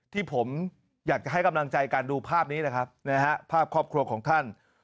ที่ผมอยากจะให้กำลังใจกันดูภาพนี้นะครับภาพครอบครัวของท่าน